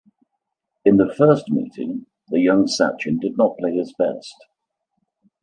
In the first meeting, the young Sachin did not play his best.